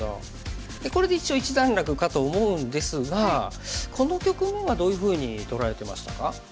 これで一応一段落かと思うんですがこの局面はどういうふうに捉えてましたか？